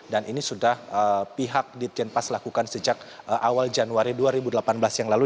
dan ini sudah pihak di tienpas lakukan sejak awal januari dua ribu delapan belas yang lalu